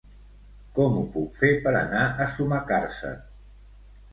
Com ho puc fer per anar a Sumacàrcer?